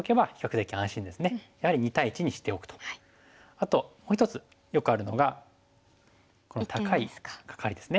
あともう１つよくあるのがこの高いカカリですね。